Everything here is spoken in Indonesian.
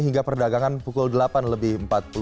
hingga perdagangan pukul delapan lebih empat puluh